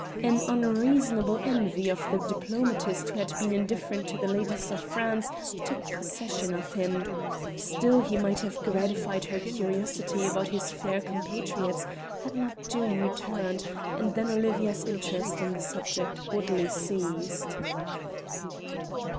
An unreasonable envy of the diplomatist who had been indifferent to the ladies of France took possession of him; still, he might have gratified her curiosity about his fair compatriots had not Doom returned, and then Olivia's interest in the subject oddly ceased.